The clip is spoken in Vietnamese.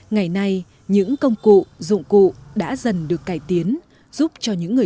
ngày nay những công cụ dụng cụ đã dần được cải tiến